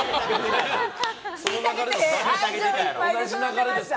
愛情いっぱいに育てました！